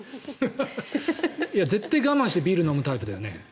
絶対、我慢してビール飲むタイプだよね。